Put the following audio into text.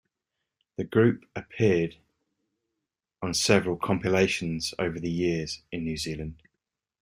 The group appeared on several compilations over the years in New Zealand.